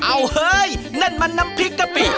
อ้าวเฮ้ยนั่นน้ำพริกกะปิ